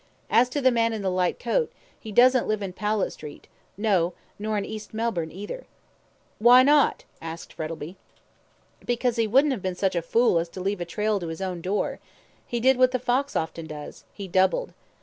As to the man in the light coat, he doesn't live in Powlett Street no nor in East Melbourne either." "Why not?" asked Frettlby. "Because he wouldn't have been such a fool as to leave a trail to his own door; he did what the fox often does he doubled.